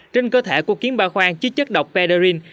trên cơ thể của kiến ba khoan chứa chất độc pederine